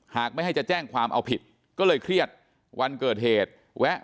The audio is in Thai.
หากไม่ให้จะแจ้งความเอาผิดก็เลยเครียดวันเกิดเหตุแวะมาส่งแก๊สแถวนี้